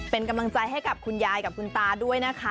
เป็นกำลังใจให้กับคุณยายกับคุณตาด้วยนะคะ